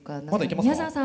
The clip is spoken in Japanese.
宮沢さん。